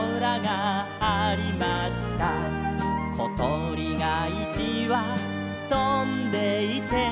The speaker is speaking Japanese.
「ことりがいちわとんでいて」